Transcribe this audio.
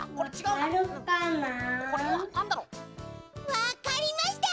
わかりました！